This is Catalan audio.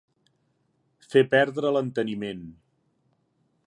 Fer perdre l'enteniment.